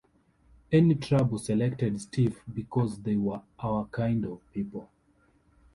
Any Trouble selected Stiff "because they were our kind of people".